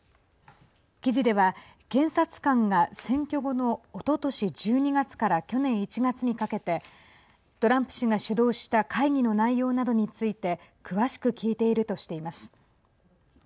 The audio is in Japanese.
記事では、検察官が選挙後のおととし１２月から去年１月にかけてトランプ氏が主導した会議の内容などについて詳しく聞いているとしています。